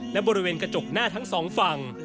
และบริเวณกระจกหน้าทั้งสองฝั่ง